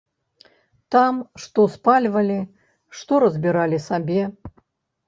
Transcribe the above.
Там што спальвалі, што разбіралі сабе.